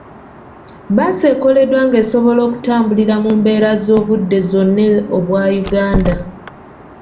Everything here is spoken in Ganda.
Bbaasi ekoleddwa ng'esobola okutambulira mu mbeera z'obudde zonna obwa Uganda.